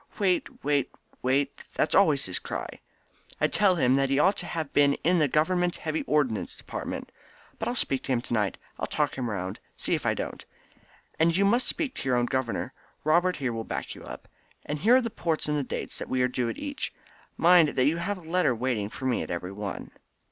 Wait, wait, wait, that's always his cry. I tell him that he ought to have been in the Government Heavy Ordnance Department. But I'll speak to him tonight. I'll talk him round. See if I don't. And you must speak to your own governor. Robert here will back you up. And here are the ports and the dates that we are due at each. Mind that you have a letter waiting for me at every one."